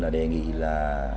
đề nghị là